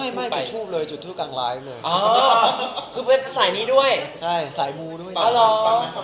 ใช่สายมูด้วยฟังทำไมถึงคิดว่าจะจุดทุบก่อน